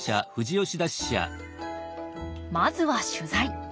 まずは取材。